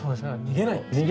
逃げない。